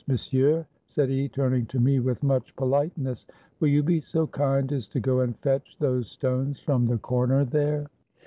Monsieur," said he, turning to me with much politeness, "will you be so kind as to go and fetch those stones from the corner there?"